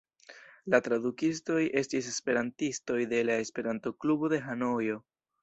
La tradukistoj estis esperantistoj de la Esperanto-klubo de Hanojo.